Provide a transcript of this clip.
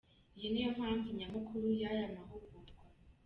Iyi niyo mpamvu nyamukuru y’aya mahugurwa.